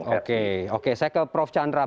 oke oke saya ke prof chandra